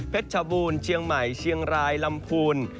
ชบูรณ์เชียงใหม่เชียงรายลำพูน